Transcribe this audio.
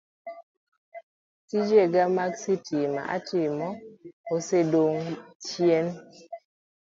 Tijena mag sitima atimo osedong' chien,